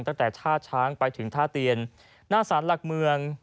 ตั้งแต่ท่าช้างไปถึงท่าเตียนหน้าสารหลักเมือง